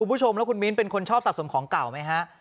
คุณผู้ชมแล้วคุณมิ้นเป็นคนชอบสะสมของเก่าไหมฮะ